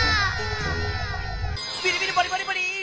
ビリビリバリバリバリッ！